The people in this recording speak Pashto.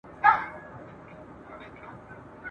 آیا ملاله مشهوره وه؟